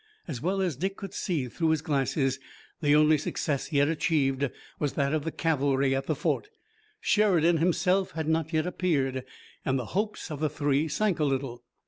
As well as Dick could see through his glasses, the only success yet achieved was that of the cavalry at the fort. Sheridan himself had not yet appeared, and the hopes of the three sank a little.